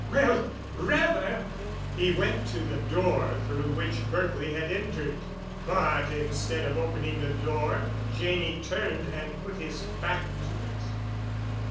Well, rather!" He went to the door through which Berkely had entered. But instead of opening the door Janney turned and put his back to it.